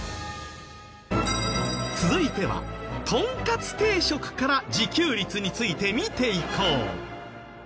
続いてはとんかつ定食から自給率について見ていこう。